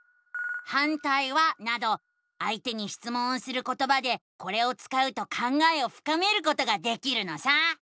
「反対は？」などあいてにしつもんをすることばでこれを使うと考えをふかめることができるのさ！